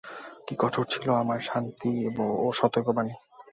কি কঠোর ছিল আমার শান্তি ও সতর্কবাণী!